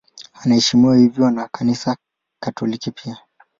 Anaheshimiwa hivyo na Kanisa Katoliki pia.